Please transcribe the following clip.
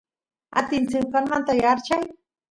atin senqanmanta yaarchay